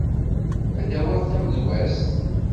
Ad d-awiɣ tamedwazt.